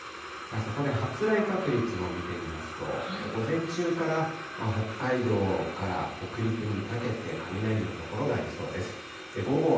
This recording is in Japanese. そこで発雷確率も見てみますと、午前中から北海道から北陸にかけて雷の所がありそうです。